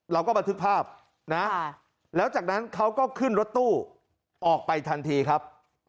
บันทึกภาพนะแล้วจากนั้นเขาก็ขึ้นรถตู้ออกไปทันทีครับ